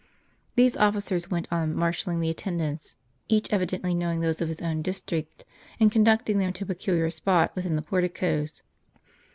These officers went on marshalling the attendants, each evi dently knowing those of his own district, and conducting them to a peculiar spot within the porticoes.